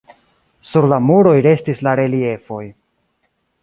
Sur la muroj restis la reliefoj.